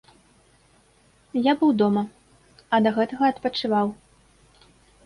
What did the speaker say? Я быў дома, а да гэтага адпачываў.